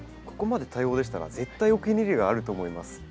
ここまで多様でしたら絶対お気に入りがあると思います。